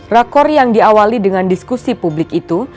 rekor yang diawali dengan diskusi publik itu